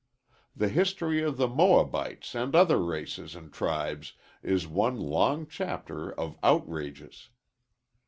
The history of the Moabites and other races and tribes is one long chapter of outrages.